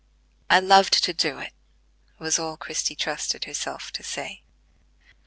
"I loved to do it," was all Christie trusted herself to say.